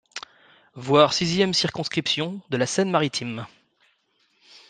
Voir Sixième circonscription de la Seine-Maritime.